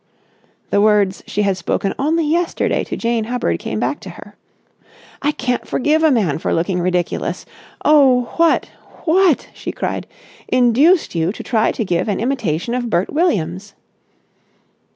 _" The words she had spoken only yesterday to Jane Hubbard came back to her. "I can't forgive a man for looking ridiculous. Oh, what, what," she cried, "induced you to try to give an imitation of Bert Williams?"